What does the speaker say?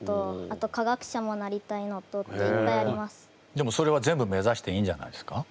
でもそれは全部目指していいんじゃないですか？